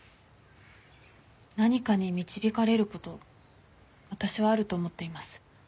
何かに導かれる事私はあると思っています。